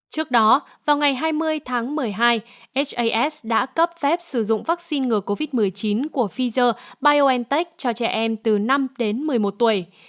trước đó vào ngày hai mươi tháng một mươi hai sas đã cấp phép sử dụng vaccine ngừa covid một mươi chín của pfizer biontech cho trẻ em từ năm đến một mươi một tuổi